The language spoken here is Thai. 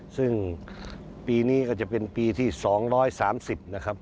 ซึ่งปีนี้ก็จะเป็นปีที่๒๓๐นะครับ